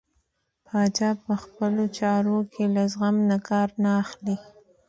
پاچا په خپلو چارو کې له زغم نه کار نه اخلي .